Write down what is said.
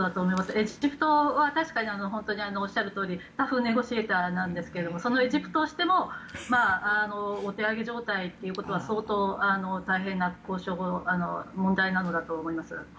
エジプトは確かにおっしゃるとおりタフネゴシエーターなんですがそのエジプトをしてもお手上げ状態ということは相当、大変な交渉問題なのだと思います。